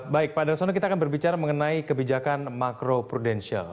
baik pak darsono kita akan berbicara mengenai kebijakan makro prudensial